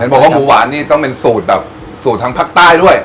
เห็นผมว่าหมูหวานนี่ก็เป็นสูตรแบบสูตรทางภาคใต้ด้วย